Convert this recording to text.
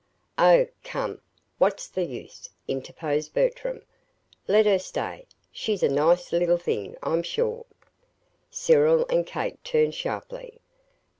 "Oh, come, what's the use," interposed Bertram. "Let her stay. She's a nice little thing, I'm sure." Cyril and Kate turned sharply.